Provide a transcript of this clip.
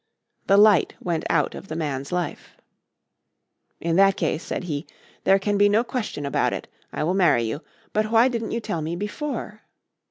The light went out of the man's life. "In that case," said he, "there can be no question about it. I will marry you. But why didn't you tell me before?"